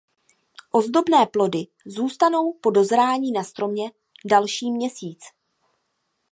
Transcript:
Ozdobné plody zůstanou po dozrání na stromě další měsíc.